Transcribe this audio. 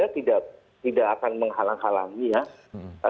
tidak akan menghalang halangi ya